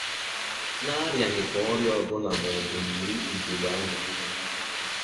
na-arịaghịkwa ọrịa ọbụla ma ọ bụ yiri ugegbe anya.